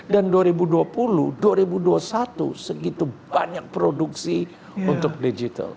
dan dua ribu dua puluh dua ribu dua puluh satu segitu banyak produksi untuk digital